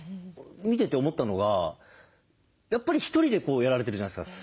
見てて思ったのがやっぱりひとりでやられてるじゃないですか。